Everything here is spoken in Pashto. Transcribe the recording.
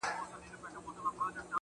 راځي سبا.